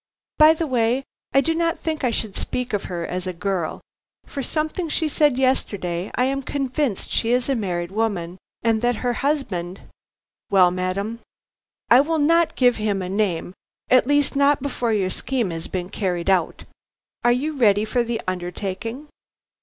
By the way, I do not think I should speak of her as a girl. From something she said yesterday I am convinced she is a married woman; and that her husband " "Well, madam?" "I will not give him a name, at least not before your scheme has been carried out. Are you ready for the undertaking?"